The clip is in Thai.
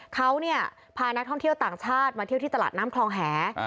เขาเนี่ยพานักท่องเที่ยวต่างชาติมาเที่ยวที่ตลาดน้ำคลองแห